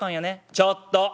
「ちょっと！